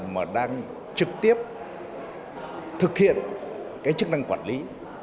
mà đang trực tiếp thực hiện cái chức năng quản lý